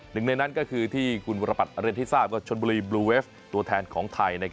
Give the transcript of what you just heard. หนึ่งในนั้นก็คือที่คุณวรปัตรเรียนให้ทราบชนบุรีบลูเวฟตัวแทนของไทย